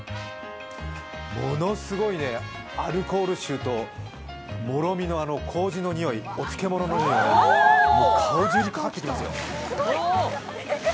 ものすごいアルコール臭ともろみのこうじのにおい、お漬物のにおいがしますね。